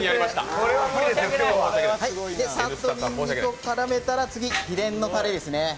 さっとにんにくを絡めたら次、秘伝のタレですね。